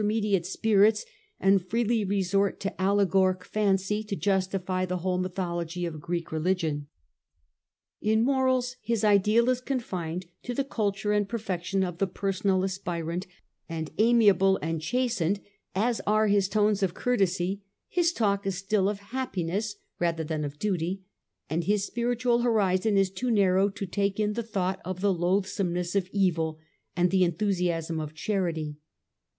1 8 1 mediate spirits, and freely resort to allegoric fancy, to justify the whole mythology of Greek religion. In morals his ideal is confined to the culture and perfection of the personal aspirant; and amiable and chastened as are his tones of courtesy, his talk is still ol happiness rather than of duty, and his spiritual horizon is too narrow to take in the thought of the loathsomeness of evil and the enthusiasm of charity.